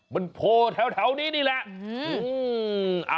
มันโพลแถวนี้นี่แหละ